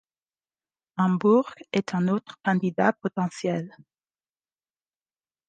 Embourg est un autre candidat potentiel.